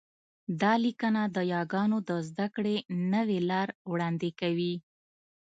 دا لیکنه د یاګانو د زده کړې نوې لار وړاندې کوي